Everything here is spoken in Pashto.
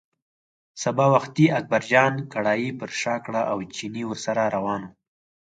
سبا وختي اکبرجان کړایی پر شا کړه او چيني ورسره روان و.